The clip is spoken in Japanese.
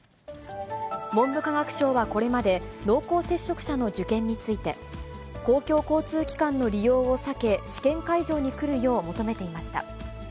文部科学省はこれまで、濃厚接触者の受験について、公共交通機関の利用を避け、試験会場に来るよう求めていました。